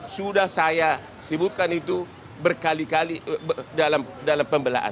sudah saya sebutkan itu berkali kali dalam pembelaan